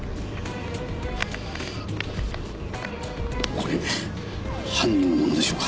これ犯人のものでしょうか？